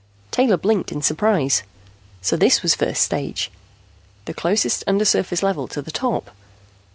Taylor blinked in surprise. So this was first stage, the closest undersurface level to the top!